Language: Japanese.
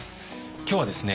今日はですね